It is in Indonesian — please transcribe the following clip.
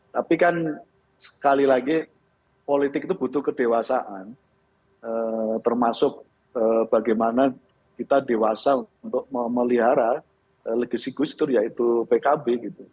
tapi kan sekali lagi politik itu butuh kedewasaan termasuk bagaimana kita dewasa untuk memelihara legasi gus dur yaitu pkb gitu